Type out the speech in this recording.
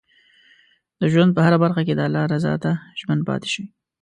د ژوند په هره برخه کې د الله رضا ته ژمن پاتې شئ.